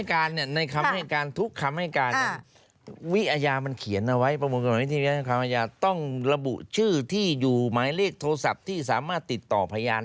คือในคำให้การในคำให้การทุกคำให้การ